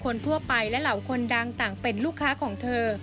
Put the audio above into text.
คนทั่วไปและเหล่าคนดังต่างเป็นลูกค้าของเธอ